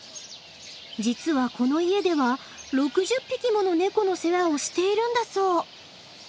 実はこの家では６０匹ものネコの世話をしているんだそう。